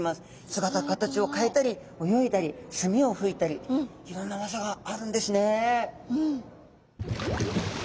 姿形を変えたり泳いだり墨を吹いたりいろんな技があるんですね。